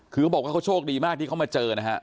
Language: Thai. คือเขาบอกว่าเขาโชคดีมากที่เขามาเจอนะฮะ